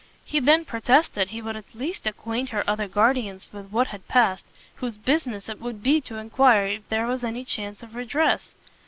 He then protested he would at least acquaint her other guardians with what had passed, whose business it would be to enquire if there was any chance of redress.